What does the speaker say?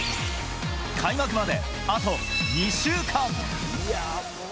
開幕まであと２週間。